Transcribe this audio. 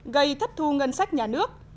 gây thất thu ngân sách nhà nước